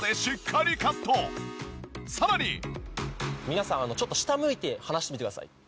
皆さんちょっと下向いて話してみてください。